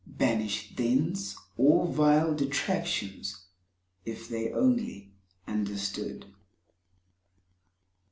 Banish thence all vile detractions— If they only understood.